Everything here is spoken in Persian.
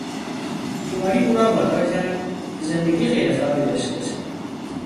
بیماری او را وادار کرد که زندگی غیرفعالی داشته باشد.